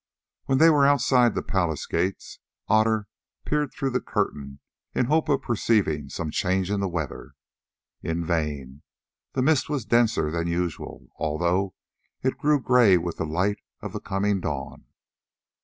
When they were outside the palace gates Otter peeped through the curtain in the hope of perceiving some change in the weather. In vain; the mist was denser than usual, although it grew grey with the light of the coming dawn.